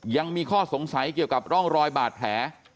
ยังมีข้อสงสัยเกี่ยวกับร่องรอยบาดแผล